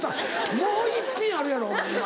もう１品あるやろお前今。